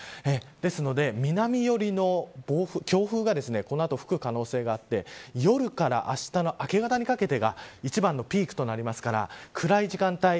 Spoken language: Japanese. ですので、南寄りの強風がこの後、吹く可能性があって夜からあしたの明け方にかけてが一番のピークとなりますから暗い時間帯